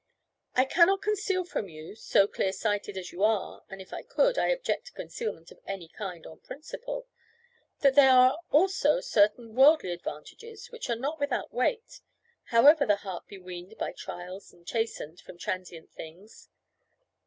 "I cannot conceal from you, so clear sighted as you are and if I could, I object to concealment of any kind, on principle that there are also certain worldly advantages, which are not without weight, however the heart be weaned by trials and chastened from transient things.